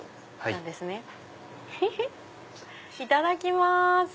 いただきます。